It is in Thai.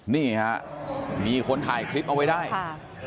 นี่ฮะมีคนถ่ายคลิปเอาไว้ได้ค่ะ